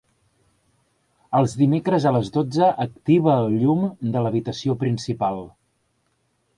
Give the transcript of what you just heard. Els dimecres a les dotze activa el llum de l'habitació principal.